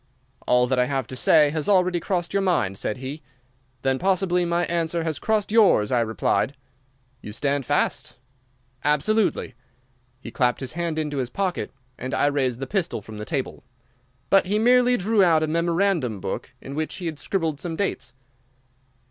"'All that I have to say has already crossed your mind,' said he. "'Then possibly my answer has crossed yours,' I replied. "'You stand fast?' "'Absolutely.' "He clapped his hand into his pocket, and I raised the pistol from the table. But he merely drew out a memorandum book in which he had scribbled some dates.